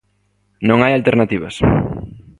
Non hai alternativas.